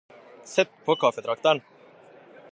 Sett på kaffetrakteren.